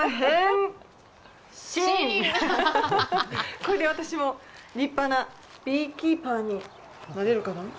これで私も立派なビーキーパーになれるかな？